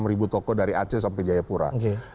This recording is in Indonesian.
tiga puluh enam ribu toko dari aceh sampai jayapura